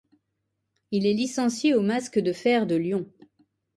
Il est licencié au Masque de Fer de Lyon.